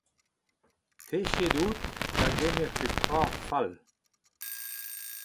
Techet out da gemer pep tra fall.